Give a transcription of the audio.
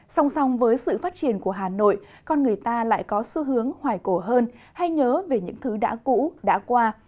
song song với sự phát triển của hà nội con người ta lại có xu hướng hoài cổ hơn hay nhớ về những thứ đã cũ đã qua